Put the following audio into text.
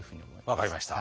分かりました。